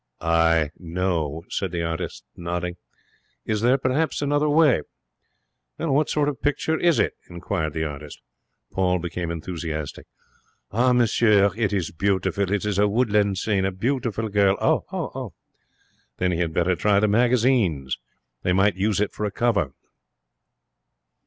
'I know,' said the artist, nodding. 'Is there, perhaps, another way?' 'What sort of a picture is it?' inquired the artist. Paul became enthusiastic. 'Ah! monsieur, it is beautiful. It is a woodland scene. A beautiful girl ' 'Oh! Then he had better try the magazines. They might use it for a cover.'